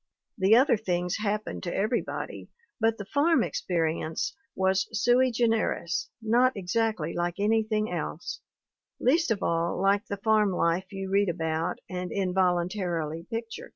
The other things happen to everybody, but the farm experience was sui generis, not exactly like anything else, least of all like the farm life you read about and involuntarily picture.